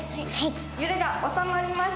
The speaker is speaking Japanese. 揺れが収まりました。